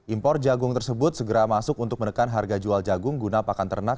impor jagung tersebut segera masuk untuk menekan harga jual jagung guna pakan ternak